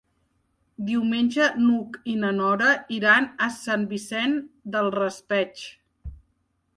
Diumenge n'Hug i na Nora iran a Sant Vicent del Raspeig.